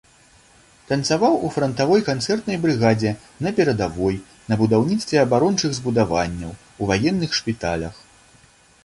Танцаваў у франтавой канцэртнай брыгадзе на перадавой, на будаўніцтве абарончых збудаванняў, у ваенных шпіталях.